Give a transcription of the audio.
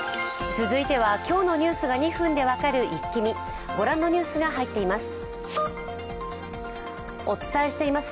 続いては今日のニュースが２分で分かるイッキ見ご覧のニュースが入っています。